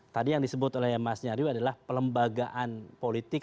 tadi yang disebut oleh mas nyarwi adalah pelembagaan politik